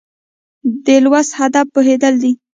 د لوست هدف پوهېدل دي.